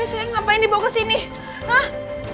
ini sayang ngapain dibawa kesini hah